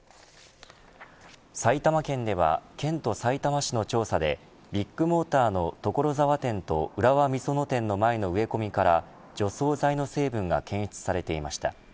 埼玉県では県と、さいたま市の調査でビッグモーターの所沢店と浦和美園店の前の植え込みから除草剤の成分が検出されていました。